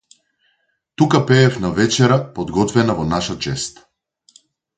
Тука пеев на вечера подготвена во наша чест.